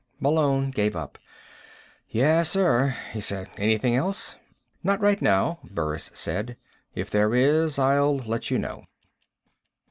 Malone gave up. "Yes, sir," he said. "Anything else?" "Not right now," Burris said. "If there is, I'll let you know."